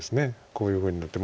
こういうふうになって。